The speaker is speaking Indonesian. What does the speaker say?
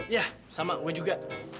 yah sama gue juga